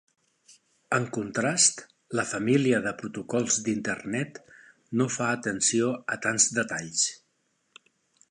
En contrast, la família de protocols d'internet no fa atenció a tants detalls.